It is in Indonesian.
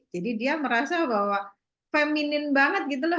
jadi dia merasa bahwa feminin banget gitu loh